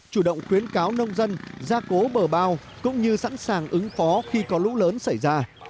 chủ động khuyến cáo nông dân ra cố bờ bao cũng như sẵn sàng ứng phó khi có lũ lớn xảy ra